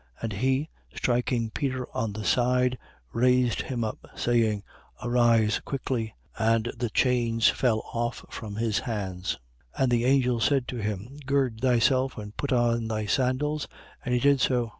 And he, striking Peter on the side, raised him up, saying: Arise quickly. And the chains fell off from his hands. 12:8. And the angel said to him: Gird thyself and put on thy sandals. And he did so.